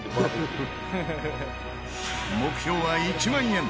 目標は１万円。